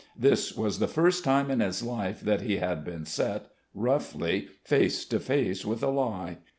This was the first time in his life that he had been set, roughly, face to face with a lie.